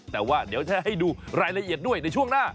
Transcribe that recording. แต่ว่าเดี๋ยวจะให้ดูรายละเอียดด้วยในช่วงหน้า